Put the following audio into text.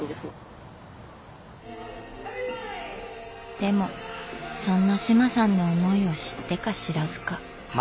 でもそんな志麻さんの思いを知ってか知らずか。